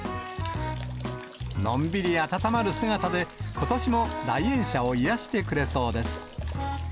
のんびり温まる姿で、ことしも来園者を癒やしてくれそうです。